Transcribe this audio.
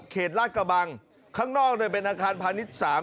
ลาดกระบังข้างนอกเป็นอาคารพาณิชย์๓